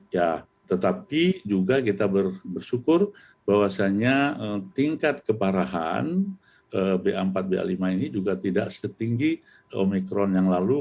ya tetapi juga kita bersyukur bahwasannya tingkat keparahan ba empat ba lima ini juga tidak setinggi omikron yang lalu